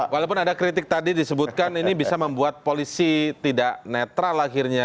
walaupun ada kritik tadi disebutkan ini bisa membuat polisi tidak netral akhirnya